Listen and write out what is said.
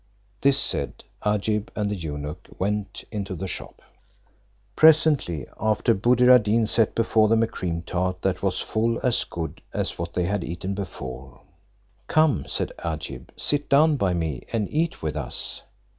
This said, Agib and the eunuch went into the shop. Presently after, Buddir ad Deen set before them a cream tart, that was full as good as what they had eaten before; "Come," said Agib, "sit down by me, and eat with us."